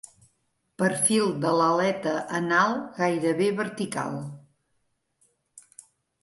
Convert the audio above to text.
Perfil de l'aleta anal gairebé vertical.